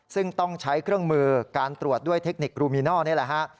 ซึ่งต้องใช้เครื่องมือการตรวจด้วยเทคนิคลูมินอลนี่แหละฮะ